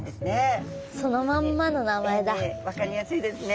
英名分かりやすいですね。